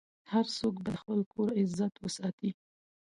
هر څوک باید د خپل کور عزت وساتي.